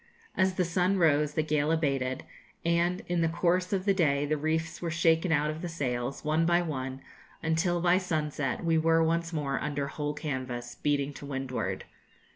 As the sun rose, the gale abated, and in the course of the day the reefs were shaken out of the sails, one by one, until, by sunset, we were once more under whole canvas, beating to windward.